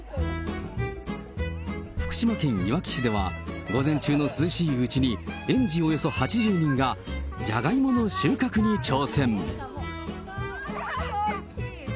福島県いわき市では、午前中の涼しいうちに、園児およそ８０人がじゃがいもの収穫に挑戦。